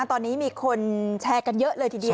ตอนนี้มีคนแชร์กันเยอะเลยทีเดียว